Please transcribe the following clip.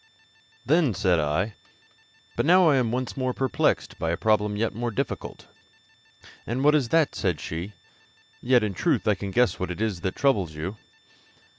Then said I: 'But now I am once more perplexed by a problem yet more difficult.' 'And what is that?' said she; 'yet, in truth, I can guess what it is that troubles you.'